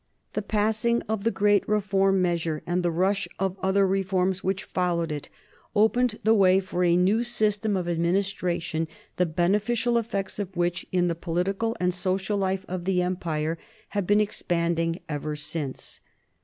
The passing of the great Reform measure, and the rush of other reforms which followed it, opened the way for a new system of administration, the beneficial effects of which in the political and social life of the empire have been expanding ever since.